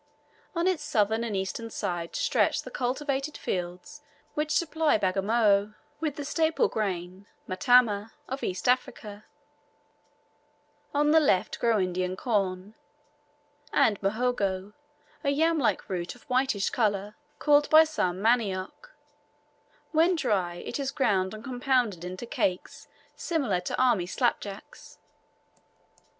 On its southern and eastern side stretch the cultivated fields which supply Bagamoyo with the staple grain, matama, of East Africa; on the left grow Indian corn, and muhogo, a yam like root of whitish colour, called by some manioc; when dry, it is ground and compounded into cakes similar to army slapjacks.